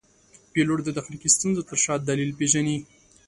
پیلوټ د تخنیکي ستونزو تر شا دلیل پېژني.